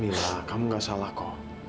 mila kamu gak salah kok